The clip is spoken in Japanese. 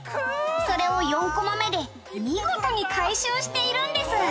「それを４コマ目で見事に回収しているんです」